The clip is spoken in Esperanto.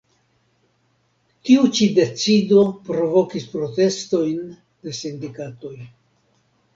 Tiu ĉi decido provokis protestojn de sindikatoj.